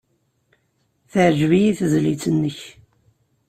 Teɛjeb-iyi tezlit-nnek.